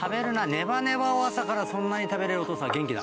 ネバネバを朝からそんなに食べれるお父さん元気だ。